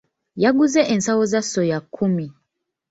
Yaguze ensawo za ssoya kkumi.